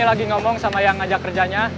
saya lagi ngomong sama yang ngajak kerjanya